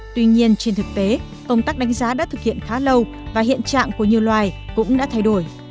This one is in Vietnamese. tuy nhiên trên thực tế công tác đánh giá đã thực hiện khá lâu và hiện trạng của nhiều loài cũng đã thay đổi